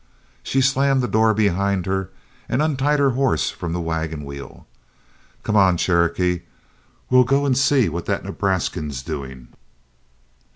She slammed the door behind her and untied her horse from the wagon wheel. "Come on, Cherokee, we'll go and see what that Nebraskan's doing."